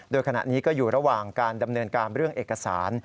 โดยขณะนี้ก็อยู่ระหว่างการดำเนินการเรื่องเอกสาร